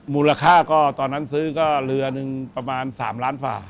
มูลค่าก็ตอนนั้นซื้อก็เรือหนึ่งประมาณ๓ล้านฝ่า